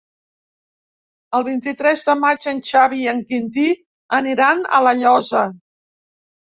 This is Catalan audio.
El vint-i-tres de maig en Xavi i en Quintí aniran a La Llosa.